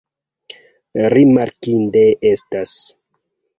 Rimarkinde estas.